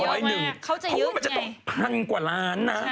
เขาจะเยอะไงเขาเพราะมันจะต้องพังกว่าร้านนะ